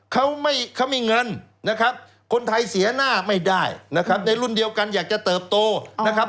เขาไม่เขามีเงินนะครับคนไทยเสียหน้าไม่ได้นะครับในรุ่นเดียวกันอยากจะเติบโตนะครับ